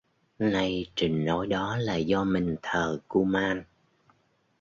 Nay trình nói đó là do mình thờ kuman